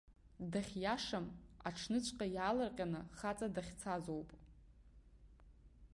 Дахьиашам, аҽныҵәҟьа, иаалырҟьаны хаҵа дахьцазоуп.